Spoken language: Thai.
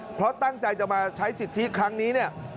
เพราะตั้งใจจะมาใช้สิทธิครั้งนี้เนี่ย